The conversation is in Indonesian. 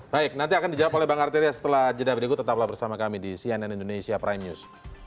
baik nanti akan dijawab oleh bang arteria setelah jeda berikut tetaplah bersama kami di cnn indonesia prime news